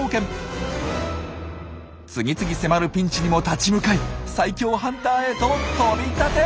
次々迫るピンチにも立ち向かい最強ハンターへと飛び立て！